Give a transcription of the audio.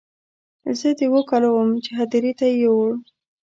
زه د اوو کالو وم چې هدیرې ته یې یووړ.